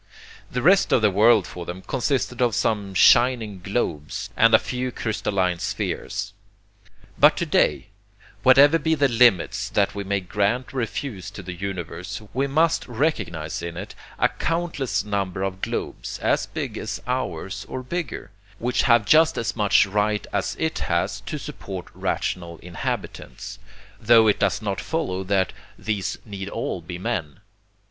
The rest of the world for them consisted of some shining globes and a few crystalline spheres. But to day, whatever be the limits that we may grant or refuse to the Universe we must recognize in it a countless number of globes, as big as ours or bigger, which have just as much right as it has to support rational inhabitants, tho it does not follow that these need all be men.